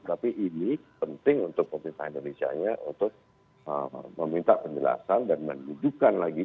tapi ini penting untuk pemerintah indonesia nya untuk meminta penjelasan dan menunjukkan lagi